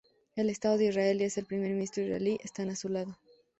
El Estado de Israel y el primer ministro israelí, están a su lado".